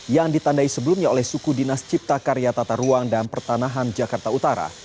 yang ditandai sebelumnya oleh suku dinas cipta karya tata ruang dan pertanahan jakarta utara